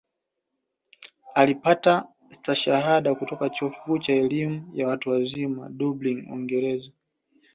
Alipata Stashahada kutoka Chuo Kikuu cha Elimu ya Watu Wazima Dublin Uingereza